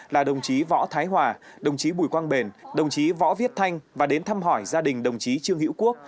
là đồng chí võ thái hòa đồng chí bùi quang bền đồng chí võ viết thanh và đến thăm hỏi gia đình đồng chí trương hữu quốc